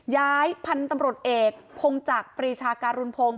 ย้ายพันธุ์ตำรวจเอกพงจักรปรีชาการุณพงศ์